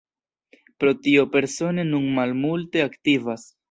Pro tio Persone nun malmulte aktivas.